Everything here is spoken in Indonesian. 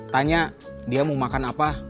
tanya dia mau makan apa